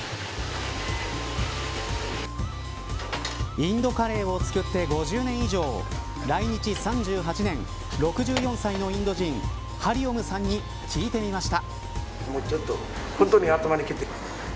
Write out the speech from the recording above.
インドカレーを作って５０年以上来日３８年６４歳のインド人ハリオムさんに聞いてみました。